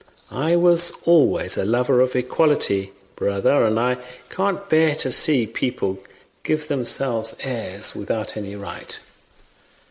I was always a lover of equality, brother, and I can't bear to see people give themselves airs without any right.